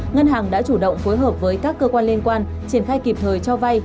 ngân hàng đã chủ động phối hợp với các cơ quan liên quan triển khai kịp thời cho vay